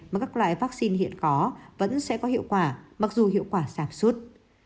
mà các loại vaccine hiện có vẫn sẽ có hiệu quả mặc dù hiệu quả sạc sút